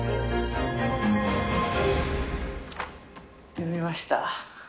読みました。